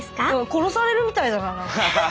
殺されるみたいだな何か。